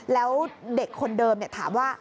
แล้วเด็กคนเดิมถามว่า